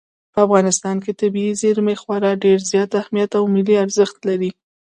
په افغانستان کې طبیعي زیرمې خورا ډېر زیات اهمیت او ملي ارزښت لري.